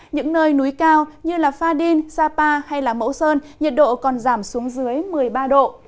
những nơi núi cao như pha đin sapa hay mẫu sơn nhiệt độ còn giảm xuống dưới một mươi ba độ